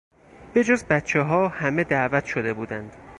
به جز بچهها همه دعوت شده بودند.